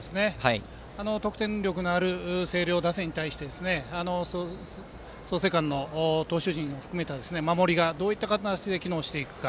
得点力のある星稜打線に対して創成館の投手陣を含めた守りがどういった形で機能していくか。